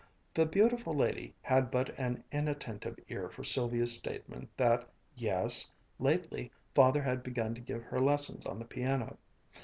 The beautiful lady had but an inattentive ear for Sylvia's statement that, yes, lately Father had begun to give her lessons on the piano.